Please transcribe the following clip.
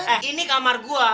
eh ini kamar gue